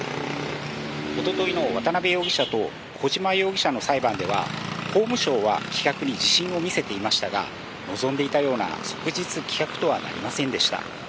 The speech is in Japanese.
おとといの渡辺容疑者と小島容疑者の裁判では、法務省は棄却に自信を見せていましたが、望んでいたような即日棄却とはなりませんでした。